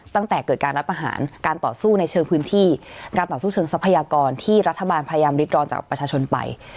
ตั้งแต่เกิดการรัฐประหารการต่อสู้ในเชิงพื้นที่การต่อสู้เชิงทรัพยากรที่รัฐบาลพยายามริดร้อนจากประชาชนไป